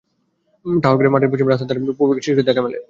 ঠাহর করে মাঠের পশ্চিম রাস্তার ধারে পুকুরের কোনায় গিয়ে শিশুটির দেখা মেলে।